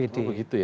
oh begitu ya